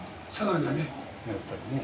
やっぱりね。